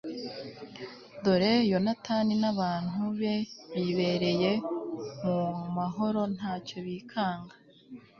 dore yonatani n'abantu be bibereye mu mahoro nta cyo bikanga